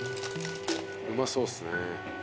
うまそうっすね。